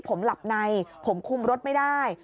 ผมหลับในผมคุมรถไม่ได้